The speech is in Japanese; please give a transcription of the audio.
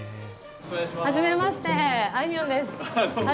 はじめましてあいみょんです。